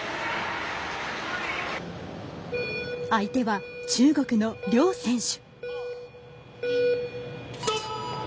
相手は中国の梁選手。